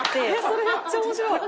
それめっちゃ面白い！